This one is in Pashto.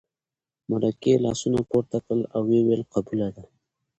مرکې لاسونه پورته کړل او ویې ویل قبوله ده.